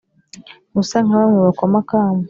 Ntusa nka bamwe bakoma akamu